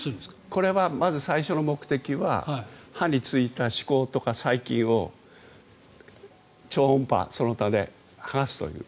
これはまず最初の目的は歯についた歯垢とか細菌を超音波その他で剥がすという。